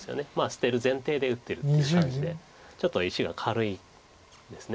捨てる前提で打ってるっていう感じでちょっと石が軽いんです。